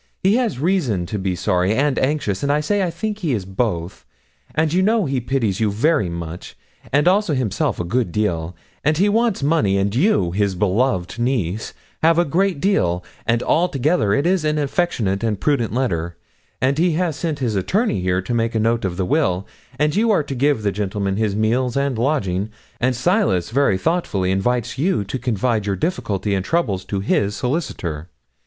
He has reason to be sorry and anxious, and I say I think he is both; and you know he pities you very much, and also himself a good deal; and he wants money, and you his beloved niece have a great deal and altogether it is an affectionate and prudent letter: and he has sent his attorney here to make a note of the will; and you are to give the gentleman his meals and lodging; and Silas, very thoughtfully, invites you to confide your difficulties and troubles to his solicitor.